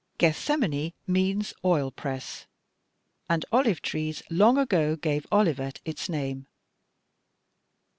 "Gethsemane" means "oil press," and olive trees long ago gave Olivet its name.